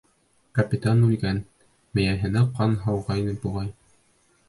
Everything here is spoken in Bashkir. Капитан үлгән, мейеһенә ҡан һауғайны, буғай.